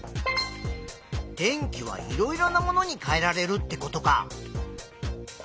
電気はいろいろなものに変えられるってことか。